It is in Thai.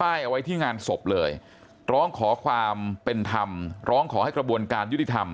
ป้ายเอาไว้ที่งานศพเลยร้องขอความเป็นธรรมร้องขอให้กระบวนการยุติธรรม